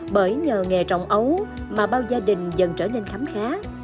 bởi nhờ nghề trồng ấu mà bao gia đình dần trở nên khám khá